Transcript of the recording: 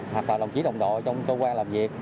hoặc là đồng chí đồng đội trong cơ quan làm việc